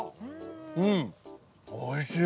うんおいしい！